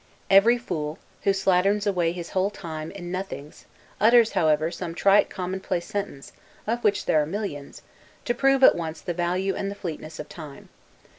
Every fool, who slatterns away his whole time in nothings, utters, however, some trite commonplace sentence, of which there are millions, to prove, at once, the value and the fleetness of time.